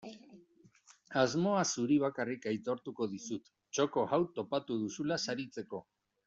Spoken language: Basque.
Asmoa zuri bakarrik aitortuko dizut txoko hau topatu duzula saritzeko.